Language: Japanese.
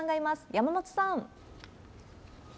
山本さん。